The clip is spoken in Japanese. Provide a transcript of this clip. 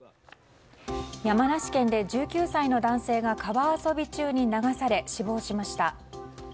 山梨県で１９歳の男性が川遊び中に流され死亡しました。